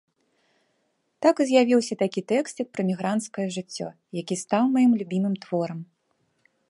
Так і з'явіўся такі тэксцік пра мігранцкае жыццё, які стаў маім любімым творам.